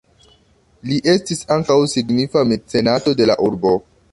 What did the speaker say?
Li estis ankaŭ signifa mecenato de la urbo.